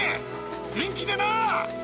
元気でな！